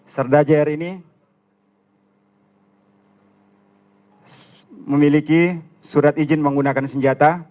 serda jr ini memiliki surat izin menggunakan senjata